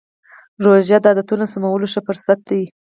روژه د عادتونو سمولو ښه فرصت دی.